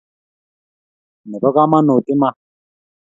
Nebo kamanuut, iman